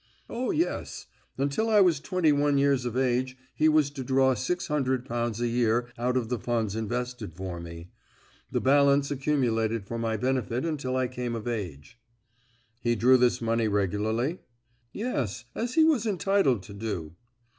"O, yes. Until I was twenty one years of age he was to draw six hundred pounds a year out of the funds invested for me. The balance accumulated for my benefit until I came of age." "He drew this money regularly?" "Yes, as he was entitled to do."